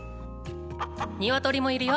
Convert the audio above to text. ニワトリもいるよ。